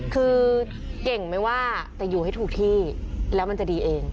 คือเก่งไม่ว่าแต่อยู่ให้ถูกที่แล้วมันจะดีเอง